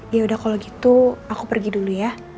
yaudah kalau gitu aku pergi dulu ya